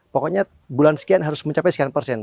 pokoknya bulan sekian harus mencapai sekian persen